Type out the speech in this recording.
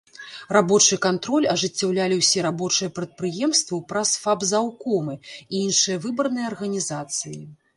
Рабочы кантроль ажыццяўлялі ўсе рабочыя прадпрыемстваў праз фабзаўкомы і іншыя выбарныя арганізацыі.